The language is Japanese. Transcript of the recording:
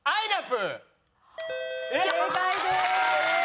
正解です！